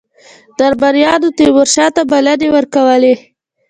درباریانو تیمورشاه ته بلنې ورکولې.